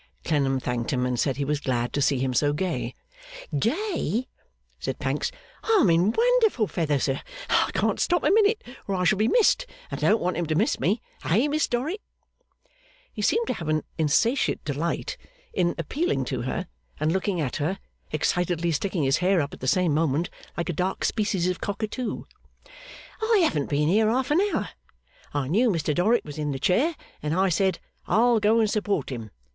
Clennam thanked him, and said he was glad to see him so gay. 'Gay!' said Pancks. 'I'm in wonderful feather, sir. I can't stop a minute, or I shall be missed, and I don't want 'em to miss me. Eh, Miss Dorrit?' He seemed to have an insatiate delight in appealing to her and looking at her; excitedly sticking his hair up at the same moment, like a dark species of cockatoo. 'I haven't been here half an hour. I knew Mr Dorrit was in the chair, and I said, "I'll go and support him!"